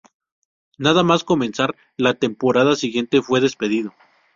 Nada más comenzar la temporada siguiente, fue despedido.